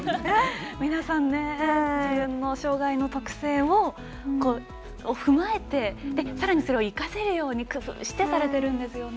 皆さん自分の障がいの特性を踏まえてさらにそれを生かすように工夫されているんですね。